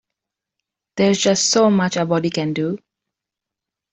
There's just so much a body can do.